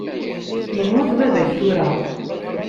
Yemmut baba-k tura.